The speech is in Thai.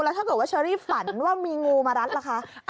แล้วถ้าเกิดว่าเชอรี่ฝันว่ามีงูมารัดล่ะคะ